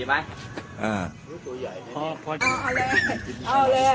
เมื่อกลับถั่ว